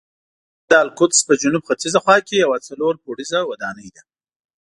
دا د القدس په جنوب ختیځه خوا کې یوه څلور پوړیزه ودانۍ ده.